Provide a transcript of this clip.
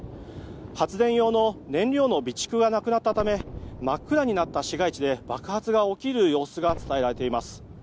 発電用の燃料の備蓄がなくなったため真っ暗になった市街地で爆発が起きる様子が伝えられています。